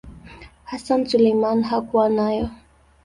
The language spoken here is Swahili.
Hassan Suleiman hakuwa nayo.